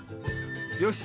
よし！